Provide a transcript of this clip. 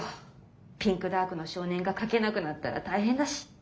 「ピンクダークの少年」が描けなくなったら大変だし。